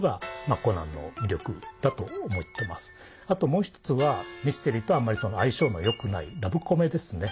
もう一つはミステリーとあんまり相性のよくないラブコメですね。